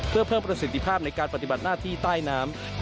เพื่อเพิ่มประสิทธิภาพในการปฏิบัติหน้าที่ใต้น้ำ